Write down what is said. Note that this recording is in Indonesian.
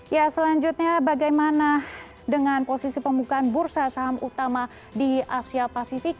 ya selanjutnya bagaimana dengan posisi pembukaan bursa saham utama di asia pasifik